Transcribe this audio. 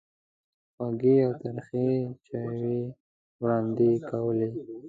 خوږې او ترخې چایوې وړاندې کولې.